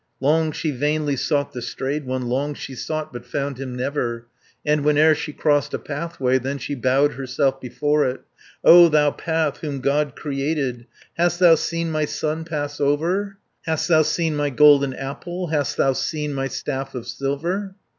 140 Long she vainly sought the strayed one, Long she sought, but found him never, And whene'er she crossed a pathway, Then she bowed herself before it. "O thou path whom God created, Hast thou seen my son pass over; Hast thou seen my golden apple, Hast thou seen my staff of silver?"